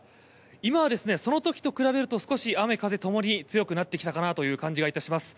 今はその時と比べると少し雨、風ともに強くなってきた感じがいたします。